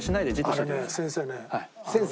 あれね先生ね